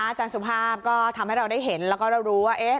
อาจารย์สุภาพก็ทำให้เราได้เห็นแล้วก็เรารู้ว่า